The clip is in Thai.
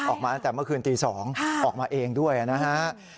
ออกมาตั้งแต่เมื่อคืนตี๒ออกมาเองด้วยนะฮะ